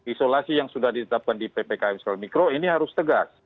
isolasi yang sudah ditetapkan di ppkm skala mikro ini harus tegas